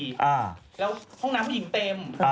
แล้วห้องน้ำผู้หญิงเต็ม